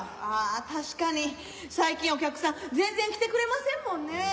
ああ確かに最近お客さん全然来てくれませんもんね。